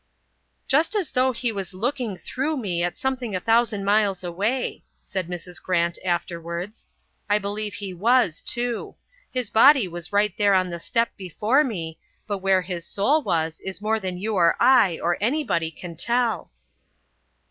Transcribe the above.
"Just as though he was looking through me at something a thousand miles away," said Mrs. Grant afterwards. "I believe he was, too. His body was right there on the step before me, but where his soul was is more than you or I or anybody can tell."